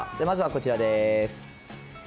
まずはこちらです。